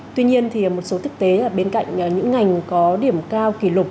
tuy nhiên thì một số thức tế là bên cạnh những ngành có điểm cao kỷ lục